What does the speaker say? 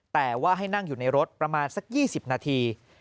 แต่ว่าให้นั่งอยู่ในรถประมาณสัก๒๐นาที